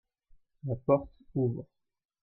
La porte ouvre.